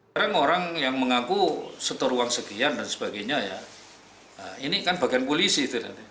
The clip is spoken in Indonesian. kadang orang yang mengaku setor uang sekian dan sebagainya ya ini kan bagian polisi